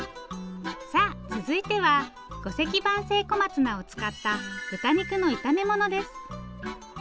さあ続いてはごせき晩生小松菜を使った豚肉の炒め物です。